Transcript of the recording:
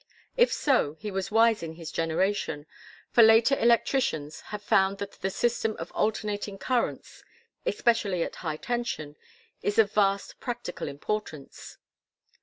If so he was wise in his generation, for later electricians have found that the system of alternating currents especially at high tension, is of vast practical importance.